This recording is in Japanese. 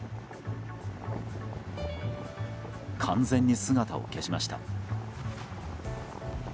完全に姿を消しました。